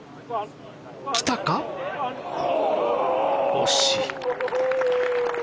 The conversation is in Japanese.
惜しい。